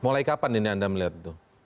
mulai kapan ini anda melihat itu